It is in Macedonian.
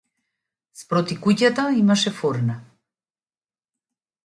Спроти куќата имаше фурна.